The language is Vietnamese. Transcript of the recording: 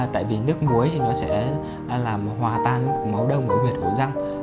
tại vì nước muối thì nó sẽ làm hòa tan máu đông của huyệt hổ răng